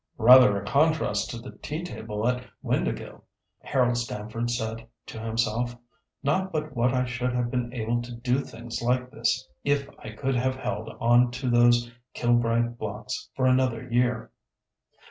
"Rather a contrast to the tea table at Windāhgil!" Harold Stamford said to himself; "not but what I should have been able to do things like this if I could have held on to those Kilbride blocks for another year.